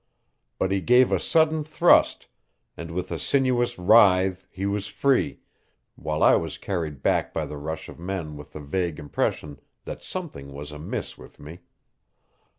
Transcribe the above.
But he gave a sudden thrust, and with a sinuous writhe he was free, while I was carried back by the rush of men with the vague impression that something was amiss with me.